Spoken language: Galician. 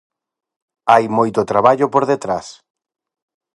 Hai moito traballo por detrás.